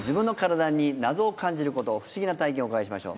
不思議な体験お伺いしましょう。